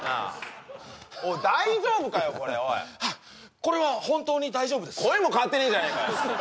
おい大丈夫かよこれおいこれは本当に大丈夫です声も変わってねえじゃねえかよ